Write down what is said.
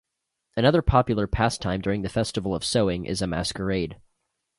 Another popular pastime during the festival of sowing is a masquerade.